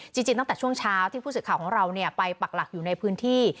จริงตั้งแต่ช่วงเช้าที่ผู้สื่อข่าวของเราไปปักหลักอยู่ในพื้นที่